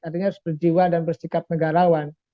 artinya harus berjiwa dan bersikap negarawan